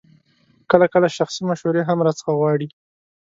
کله کله شخصي مشورې هم راڅخه غواړي.